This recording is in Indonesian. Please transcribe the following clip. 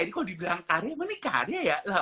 ini kalau dibilang karya mah nikah aja ya